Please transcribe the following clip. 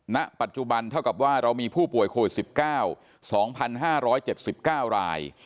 ณปัจจุบันเท่ากับว่าเรามีผู้ป่วยโควิด๑๙๒๕๗๙ราย